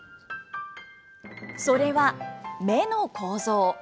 それは、目の構造。